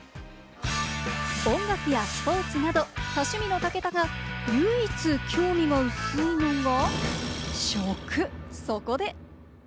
音楽やスポーツなど、多趣味の武田が唯一興味が薄いのが食、そこで。